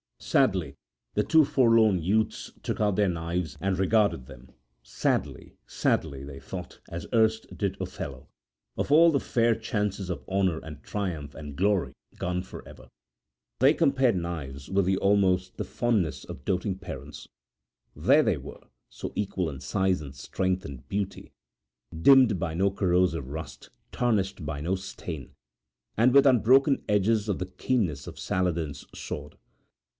Sadly the two forlorn youths took out their knives and regarded them; sadly, sadly they thought, as erst did Othello, of all the fair chances of honour and triumph and glory gone for ever. They compared knives with almost the fondness of doting parents. There they were so equal in size and strength and beauty dimmed by no corrosive rust, tarnished by no stain, and with unbroken edges of the keenness of Saladin's sword.